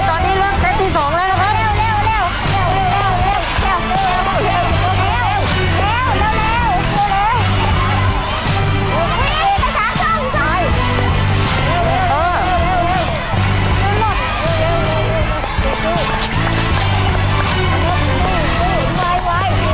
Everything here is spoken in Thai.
โอ้ยหัว